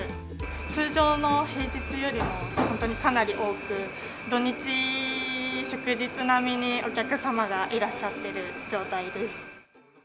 通常の平日よりも本当にかなり多く、土日、祝日並みにお客様がいらっしゃってる状態です。